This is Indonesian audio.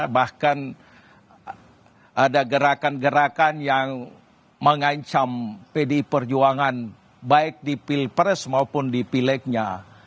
bahkan ada gerakan gerakan yang mengancam pdi perjuangan baik di pilpres maupun di pilegnya